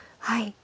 はい。